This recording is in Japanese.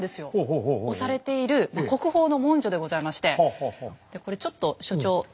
押されている国宝の文書でございましてこれちょっと所長ほんと？